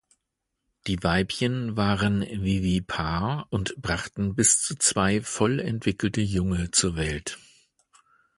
Die Weibchen waren vivipar und brachten bis zu zwei voll entwickelte Junge zur Welt.